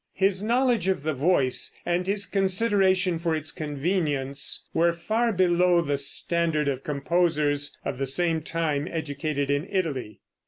His knowledge of the voice, and his consideration for its convenience, were far below the standard of composers of the same time educated in Italy.